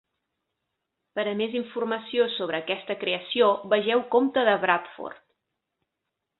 Per a més informació sobre aquesta creació, vegeu comte de Bradford.